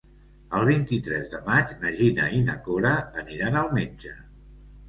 El vint-i-tres de maig na Gina i na Cora aniran al metge.